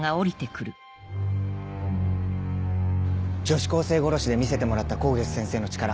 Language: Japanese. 女子高生殺しで見せてもらった香月先生の力